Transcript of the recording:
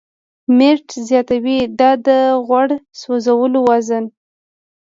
میرټ زیاتوي، دا د "غوړ سوځولو زون